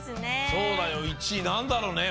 そうだよ１いなんだろね？